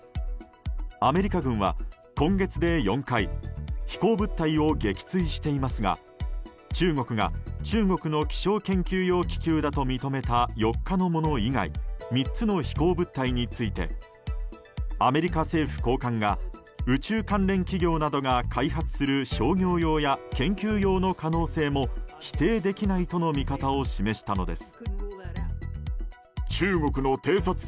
アメリカ軍は今月で４回飛行物体を撃墜していますが中国が中国の気象研究用気球だと認めた４日のもの以外３つの飛行物体についてアメリカ政府高官が宇宙関連企業などが開発する商業用や研究用の可能性も否定できないとの見方を示したのです。